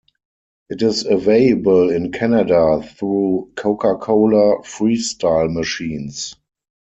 It is available in Canada through Coca-Cola Freestyle machines.